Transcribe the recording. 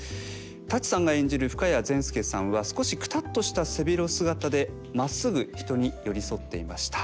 「舘さんが演じる深谷善輔さんは少しクタッとした背広姿でまっすぐ人に寄り添っていました。